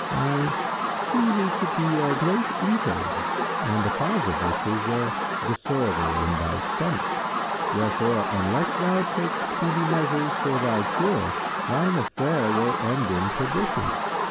I see thee to be a great eater and the cause of this is a disorder in thy stomach; wherefore unless thou take speedy measures for thy cure, thine affair will end in perdition."